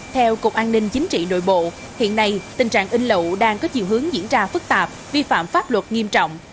theo cục an ninh chính trị nội bộ hiện nay tình trạng in lậu đang có chiều hướng diễn ra phức tạp vi phạm pháp luật nghiêm trọng